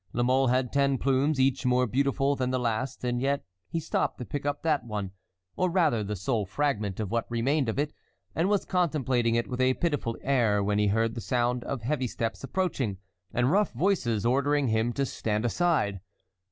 La Mole had ten plumes each more beautiful than the last, and yet he stopped to pick up that one, or, rather, the sole fragment of what remained of it, and was contemplating it with a pitiful air when he heard the sound of heavy steps approaching, and rough voices ordering him to stand aside.